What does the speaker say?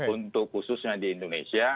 untuk khususnya di indonesia